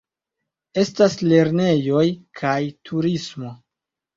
Estas lernejoj kaj turismo.